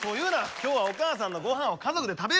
今日はお母さんの御飯を家族で食べよう。